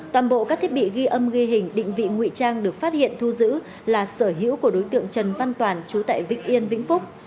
toàn bộ các thiết bị ghi âm ghi hình định vị ngụy trang được phát hiện thu giữ là sở hữu của đối tượng trần văn toàn chú tại vĩnh yên vĩnh phúc